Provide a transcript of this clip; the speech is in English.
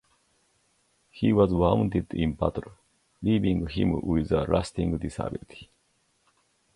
He was wounded in battle, leaving him with a lasting disability.